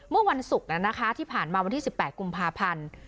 เมื่อวันศุกร์น่ะนะคะที่ผ่านมาวันที่สิบแปดกุมภาพันธ์